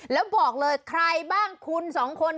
แล้วบอกเลยใครบ้างคุณสองคน